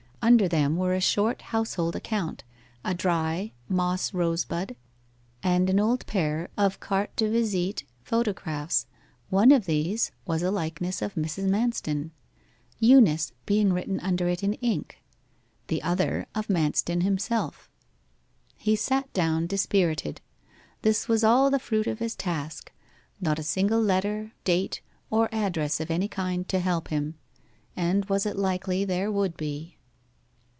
Under them were a short household account, a dry moss rosebud, and an old pair of carte de visite photographs. One of these was a likeness of Mrs. Manston 'Eunice' being written under it in ink the other of Manston himself. He sat down dispirited. This was all the fruit of his task not a single letter, date, or address of any kind to help him and was it likely there would be?